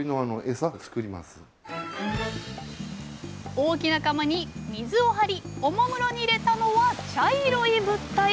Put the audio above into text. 大きな釜に水を張りおもむろに入れたのは茶色い物体。